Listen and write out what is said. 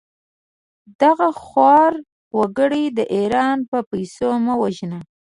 دغه خوار وګړي د ايران په پېسو مه وژنه!